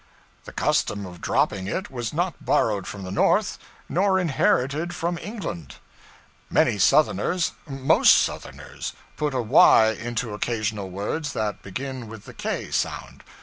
The custom of dropping it was not borrowed from the North, nor inherited from England. Many Southerners most Southerners put a y into occasional words that begin with the k sound.